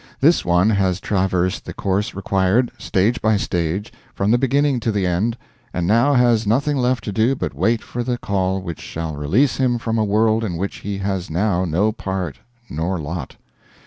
This one has traversed the course required, stage by stage, from the beginning to the end, and now has nothing left to do but wait for the call which shall release him from a world in which he has now no part nor lot.